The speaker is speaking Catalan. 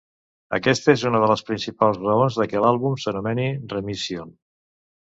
Aquesta és una de les principals raons de que l'àlbum s'anomeni Remission.